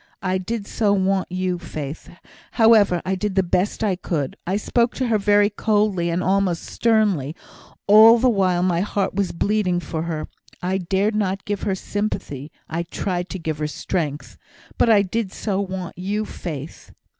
I did so want you, Faith! However, I did the best I could; I spoke to her very coldly, and almost sternly, all the while my heart was bleeding for her. I dared not give her sympathy; I tried to give her strength. But I did so want you, Faith."